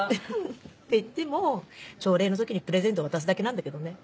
っていっても朝礼の時にプレゼント渡すだけなんだけどね。